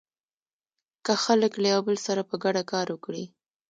که خلک له يو بل سره په ګډه کار وکړي.